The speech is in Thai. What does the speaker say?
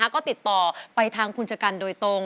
ก็ติดต่อไปทางคุณชะกันโดยตรง